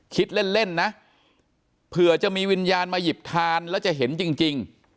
คิดเล่นนะเผื่อจะมีวิญญาณมาหยิบทานแล้วจะเห็นจริง